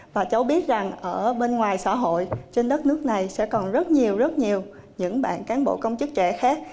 và cháu biết rằng ở bên ngoài xã hội trên đất nước này sẽ còn rất nhiều rất nhiều những bạn cán bộ công chức trẻ khác